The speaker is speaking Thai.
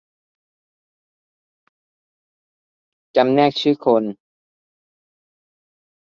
จำแนกชื่อคน